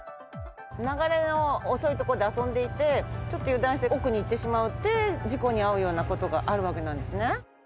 流れの遅い所で遊んでいてちょっと油断して奥に行ってしまって事故に遭うような事があるわけなんですね。